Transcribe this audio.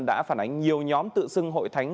đã phản ánh nhiều nhóm tự xưng hội thánh